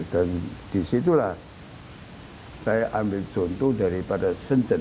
dan di situlah saya ambil contoh daripada sencen